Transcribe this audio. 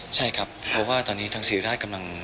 ใช่ครับเพราะว่าตอนนี้ทางศรีราชกำลัง